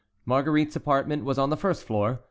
Marguerite's apartment was on the first floor.